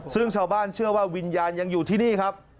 ซึ่งชาวบ้านเชื่อว่าวิญญาณยังอยู่ที่นี่ครับ